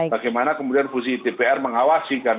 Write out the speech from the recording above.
bagaimana kemudian fungsi dpr mengawasikan